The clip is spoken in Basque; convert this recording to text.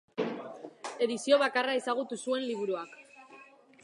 Edizio bakarra ezagutu zuen liburuak.